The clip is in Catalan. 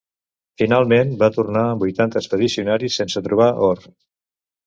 Finalment, va tornar amb vuitanta expedicionaris sense trobar or.